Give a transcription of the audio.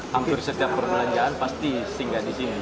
hampir setiap perbelanjaan pasti singgah di sini